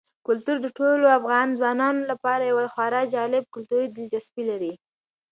کلتور د ټولو افغان ځوانانو لپاره یوه خورا جالب کلتوري دلچسپي لري.